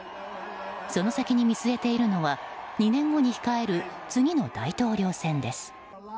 その先に見据えているのは２年後に控える次の大統領選です。